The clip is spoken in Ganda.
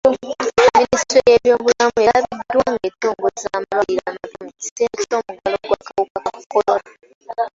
Minisitule y'ebyobulamu erabiddwa nga etongoza amalwaliro amapya mu kiseera ky'omuggalo gw'akawuka ka kolona.